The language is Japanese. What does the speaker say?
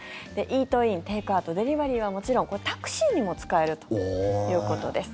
イートイン、テイクアウトデリバリーはもちろんこれ、タクシーにも使えるということです。